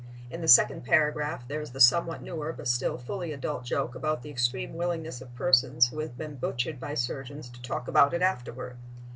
In the second paragraph there is the somewhat newer but still fully adult joke about the extreme willingness of persons who have been butchered by surgeons to talk about it afterward.